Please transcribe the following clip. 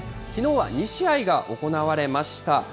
きのうは２試合が行われました。